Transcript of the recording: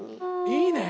いいね！